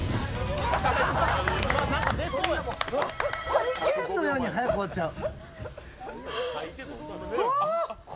ハリケーンのように早く終わっちゃう。